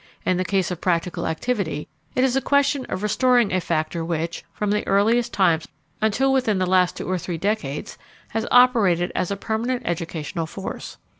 In the case of practical activity it is a question of restoring a factor which, from the earliest times until within the last two or three decades, has operated as a permanent educational force.